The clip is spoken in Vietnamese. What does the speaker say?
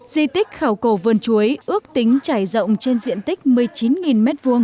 di tích khảo cổ vườn chuối ước tính trải rộng trên diện tích một mươi chín m hai